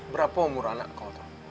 berapa umur anakmu